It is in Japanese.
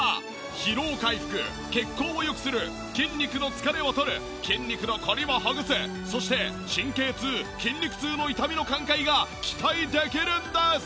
疲労回復血行を良くする筋肉の疲れをとる筋肉のコリをほぐすそして神経痛筋肉痛の痛みの緩解が期待できるんです！